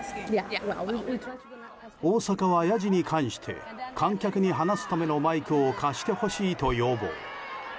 大坂は、やじに関して観客に話すためのマイクを貸してほしいと要望。